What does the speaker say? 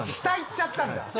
下いっちゃったんだ。